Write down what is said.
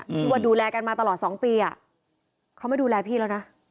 ที่ว่าดูแลกันมาตลอดสองปีอ่ะเขาไม่ดูแลพี่แล้วนะ